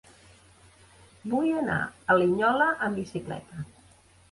Vull anar a Linyola amb bicicleta.